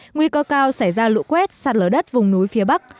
nguy cơ cao xảy ra lụ quét sát lỡ đất vùng núi phía bắc